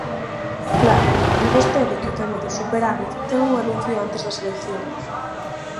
Claro, di vostede que o tema do superávit ten un anuncio antes das eleccións.